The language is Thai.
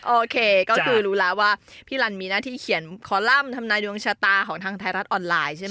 โอเคก็คือรู้แล้วว่าพี่ลันมีหน้าที่เขียนคอลัมป์ทำนายดวงชะตาของทางไทยรัฐออนไลน์ใช่ไหม